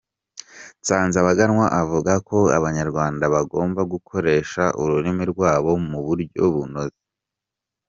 Nsanzabaganwa avuga ko abanyarwanda bagomba gukoresha ururimi rwabo mu buryo bunoze.